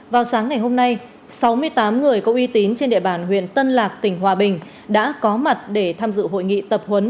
vào sáng ngày hôm nay sáu mươi tám người có uy tín trên địa bàn huyện tân lạc tỉnh hòa bình đã có mặt để tham dự hội nghị tập huấn